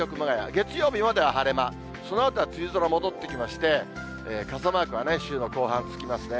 月曜日までは晴れ間、そのあとは梅雨空戻ってきまして、傘マークは週の後半、つきますね。